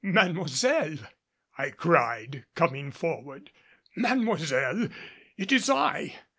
"Mademoiselle!" I cried, coming forward, "Mademoiselle, it is I!"